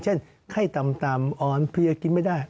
เช่นไข้ตำอร่อยเธอคือกินไม่ได้